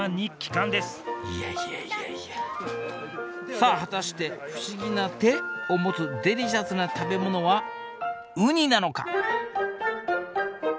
いやいやいやいやさあ果たして不思議な手？を持つデリシャスな食べ物はウニなのか？